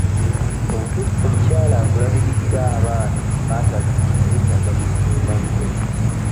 Mu butuufu omukyala akulabiririra abaana baatazaala yeetaaga kusiimwa nnyo.